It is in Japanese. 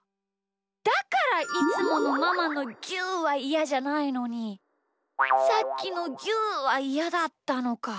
だからいつものママのぎゅうはイヤじゃないのにさっきのぎゅうはイヤだったのか。